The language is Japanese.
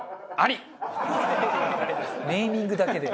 ネーミングだけで。